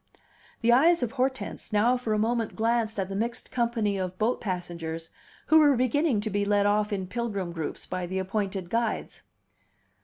The eyes of Hortense now for a moment glanced at the mixed company of boat passengers, who were beginning to be led off in pilgrim groups by the appointed guides.